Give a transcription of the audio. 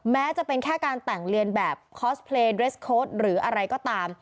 แม้จะเป็นแค่การแต่งเรียนแบบคอสเพลย์เรสโค้ดหรืออะไรก็ตาม